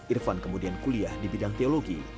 irfan kemudian kuliah di bidang teologi